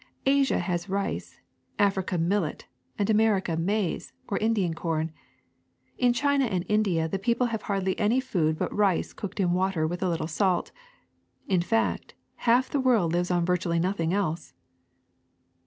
Asia has rice, Africa millet, and America maize, or Indian com. In China and India the people have hardly any food but rice cooked in water with a little salt. In fact, half the world lives on virtually noth ing else.'